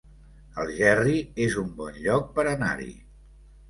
Algerri es un bon lloc per anar-hi